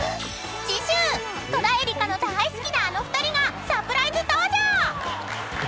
［次週戸田恵梨香の大好きなあの２人がサプライズ登場！］